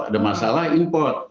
ada masalah import